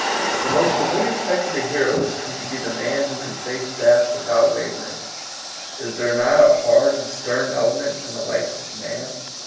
The most familiar type of the hero has come to be the man who can face death without wa vering. Is there not a hard and stem ele ment in the life of man